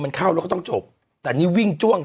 มันเข้าแล้วก็ต้องจบแต่นี่วิ่งจ้วง